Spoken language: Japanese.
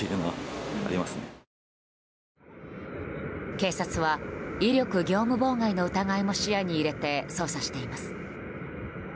警察は、威力業務妨害の疑いも視野に入れて捜査しています。